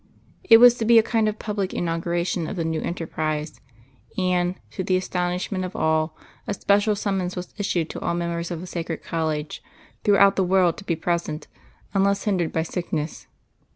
It was to be a kind of public inauguration of the new enterprise; and, to the astonishment of all, a special summons was issued to all members of the Sacred College throughout the world to be present, unless hindered by sickness.